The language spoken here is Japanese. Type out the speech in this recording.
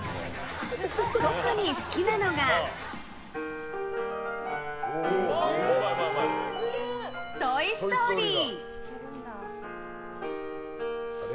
特に好きなのが「トイ・ストーリー」。